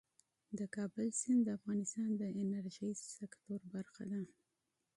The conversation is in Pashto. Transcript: د کابل سیند د افغانستان د انرژۍ سکتور برخه ده.